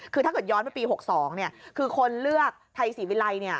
คือถ้าเกิดย้อนไปปี๖๒คือคนเลือกไทยศรีวิลัยเนี่ย